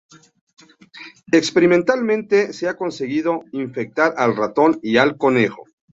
Experimentalmente, se ha conseguido infectar al ratón y al conejo.